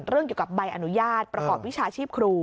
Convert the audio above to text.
เกี่ยวกับใบอนุญาตประกอบวิชาชีพครู